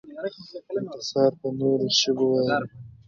خپل اثار په نورو ژبو واړوئ.